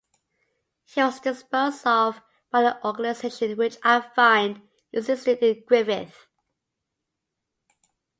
He was disposed of by the organisation which I find existed in Griffith.